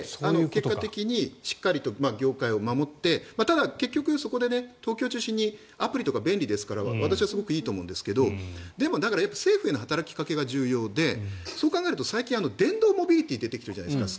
しっかりと業界を守ってただ、そこで東京を中心にアプリとか便利ですから私はすごくいいと思うんですが政府への働きかけが重要でそう考えると最近、電動モビリティー出てきたじゃないですか。